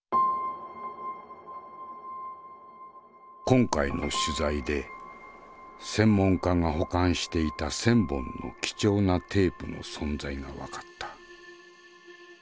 今回の取材で専門家が保管していた１，０００本の貴重なテープの存在が分かった。